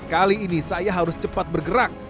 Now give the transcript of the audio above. kali ini saya harus cepat bergerak